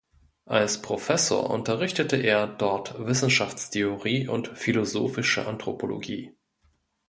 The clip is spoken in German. Als Professor unterrichtete er dort Wissenschaftstheorie und Philosophische Anthropologie.